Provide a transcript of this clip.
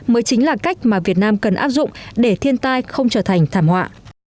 mới chính là cách mà việt nam cần áp dụng để thiên tai không trở thành thảm họa